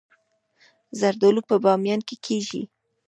زردالو په بامیان کې کیږي